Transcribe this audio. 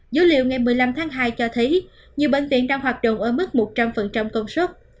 dữ liệu ngày một mươi năm tháng hai cho thấy nhiều bệnh viện đang hoạt động ở mức một trăm linh công suất